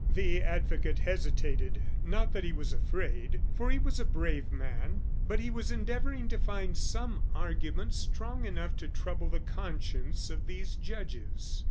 The advocate hesitated, not that he was afraid, for he was a brave man: but he was endeavoring to find some argument strong enough to trouble the conscience of these judges.